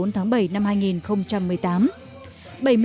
hai mươi bốn tháng bảy năm hai nghìn một mươi tám